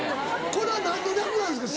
これは何の略なんですか？